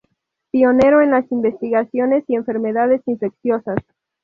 Pionero en las investigaciones y enfermedades infecciosas.